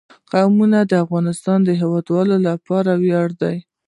قومونه د افغانستان د هیوادوالو لپاره ویاړ دی.